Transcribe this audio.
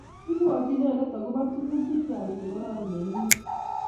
Ibwoti inendet akobo tuguuk chechang chekororon eng inee